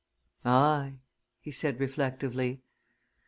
"Aye!" he said, reflectively.